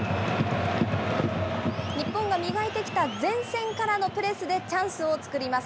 日本が磨いてきた前線からのプレスでチャンスを作ります。